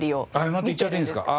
『Ｍ−１』って言っちゃっていいんですか？